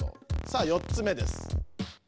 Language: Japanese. さあ４つ目です。